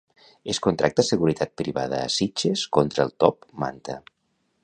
Es contracta seguretat privada a Sitges contra el 'top manta'.